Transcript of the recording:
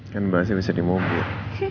kan bahasa bisa di mobil